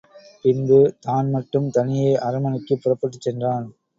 பின்பு தான் மட்டும் தனியே அரண்மனைக்குப் புறப்பட்டுச் சென்றான்.